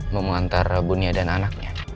memantar bunia dan anaknya